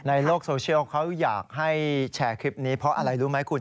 ในโลกโซเชียลเขาอยากให้แชร์คลิปนี้เพราะอะไรรู้ไหมคุณ